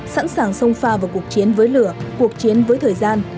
sẵn sàng sông pha vào cuộc chiến với lửa cuộc chiến với thời gian